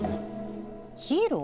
ヒーロー？